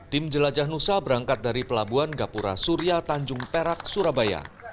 tim jelajah nusa berangkat dari pelabuhan gapura surya tanjung perak surabaya